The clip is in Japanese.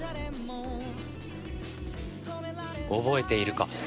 覚えているか？